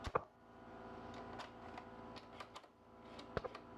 সারাদিন টার্মেকে থাকবে।